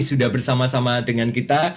sudah bersama sama dengan kita